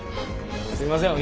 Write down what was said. すいません